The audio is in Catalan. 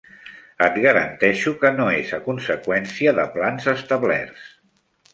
Et garanteixo que no és a conseqüència de plans establerts.